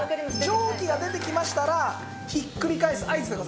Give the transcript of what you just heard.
蒸気が出てきましたらひっくり返す合図でございます。